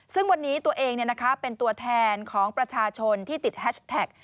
ซึ่งวันนี้ตัวเองเป็นตัวแทนของประชาชนที่ติดแฮชแท็ก